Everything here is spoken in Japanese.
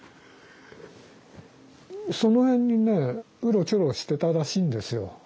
その辺にねうろちょろしてたらしいんですよ。